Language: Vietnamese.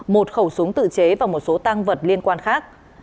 một khẩu súng tự chế và một số tăng vật liên quan khác